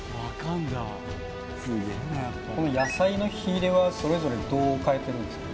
この野菜の火入れはそれぞれどう変えてるんですか？